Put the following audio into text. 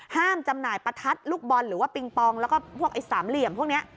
จำหน่ายประทัดลูกบอลหรือว่าปิงปองแล้วก็พวกไอ้สามเหลี่ยมพวกนี้